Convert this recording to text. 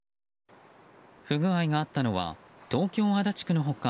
不具合があったのは東京・足立区の他